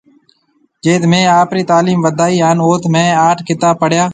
جٿ مهيَ آپري تالِيم وڌائِي هانَ اُٿ مهيَ اَٺ ڪتاب پڙهيَا